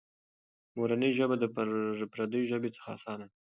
مورنۍ ژبه د پردۍ ژبې څخه اسانه ده.